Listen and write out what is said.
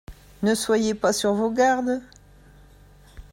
Ne soyez pas sur vos gardes.